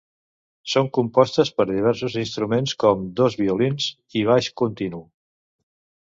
Són compostes per a diversos instruments, com dos violins i baix continu.